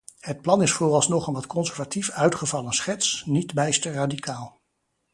Het plan is vooralsnog een wat conservatief uitgevallen schets, niet bijster radicaal.